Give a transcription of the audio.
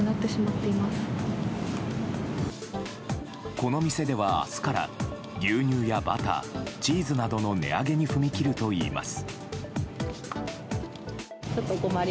この店では明日から牛乳やバター、チーズなどの値上げに踏み切るといいます。